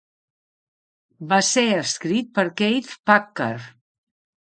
Va ser escrit per Keith Packard.